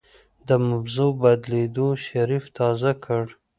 د موضوع بدلېدو شريف تازه کړ.